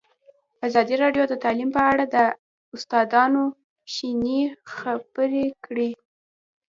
ازادي راډیو د تعلیم په اړه د استادانو شننې خپرې کړي.